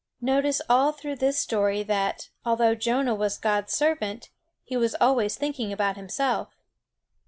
Notice all through this story that, although Jonah was God's servant, he was always thinking about himself.